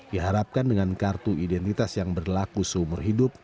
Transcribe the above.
diharapkan dengan kartu identitas yang berlaku seumur hidup